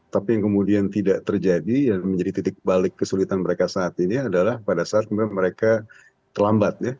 tapi yang kemudian tidak terjadi dan menjadi titik balik kesulitan mereka saat ini adalah pada saat mereka terlambat ya